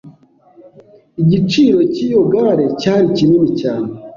Igiciro cyiyo gare cyari kinini cyane.